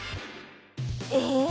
え？